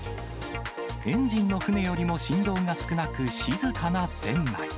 エンジンの船よりも振動が少なく、静かな船内。